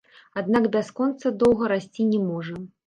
Аднак бясконца доўг расці не можа.